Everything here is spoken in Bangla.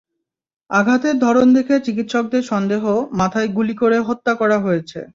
আঘাতের ধরন দেখে চিকিৎসকদের সন্দেহ, মাথায় গুলি করে হত্যা করা হয়েছে।